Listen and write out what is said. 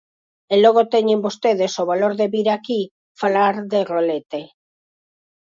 E logo teñen vostedes o valor de vir aquí falar de rolete.